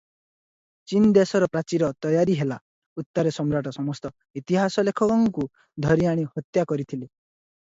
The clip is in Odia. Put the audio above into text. ଚୀନ୍ ଦେଶର ପ୍ରାଚୀର ତୟାରୀ ହେଲା ଉତ୍ତାରେ ସମ୍ରାଟ ସମସ୍ତ ଇତିହାସ ଲେଖକଙ୍କୁ ଧରିଆଣି ହତ୍ୟା କରିଥିଲେ